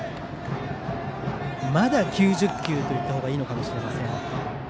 まだ９０球と言ったほうがいいのかもしれません。